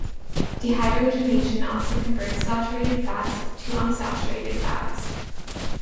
Dehydrogenation also converts saturated fats to unsaturated fats.